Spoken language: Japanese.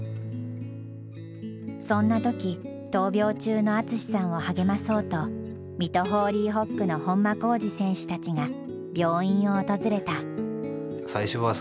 そんな時闘病中の淳さんを励まそうと水戸ホーリーホックの本間幸司選手たちが病院を訪れた。